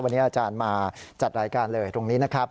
วันนี้อาจารย์มาจัดรายการเลยตรงนี้นะครับ